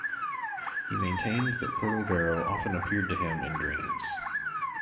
He maintained that Cordovero often appeared to him in dreams.